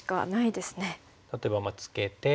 例えばツケて。